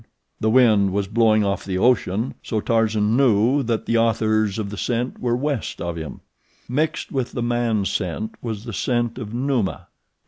The wind was blowing off the ocean, so Tarzan knew that the authors of the scent were west of him. Mixed with the man scent was the scent of Numa.